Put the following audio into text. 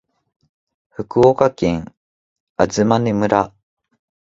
福岡県東峰村